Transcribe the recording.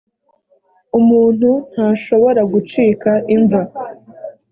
umuntu ntashobora gucika imva